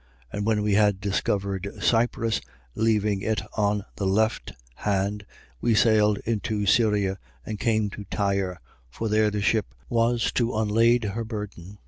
21:3. And when we had discovered Cyprus, leaving it on the left hand, we sailed into Syria, and came to Tyre: for there the ship was to unlade her burden.